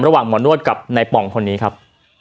ระหว่างหมอร์นวดกับไหนป๋องคนนี้ครับ